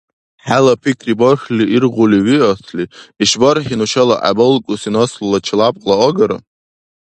ХӀела пикри бархьли иргъули виасли, ишбархӀи нушала гӀебалкӀуси наслула челябкьла агара?